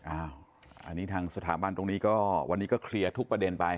อันนี้ทางสถาบันตรงนี้ก็วันนี้ก็เคลียร์ทุกประเด็นไป